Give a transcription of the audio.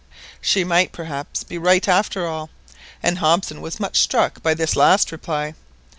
She might perhaps be right after all, and Hobson was much struck by this last reply.